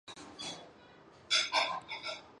京都帝大法律系毕业。